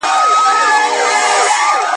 شکر دی چې ته لا تر اوسه روغ او رمټ یې.